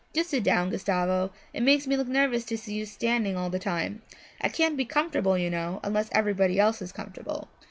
'Just sit down, Gustavo, it makes me nervous to see you standing all the time. I can't be comfortable, you know, unless everybody else is comfortable.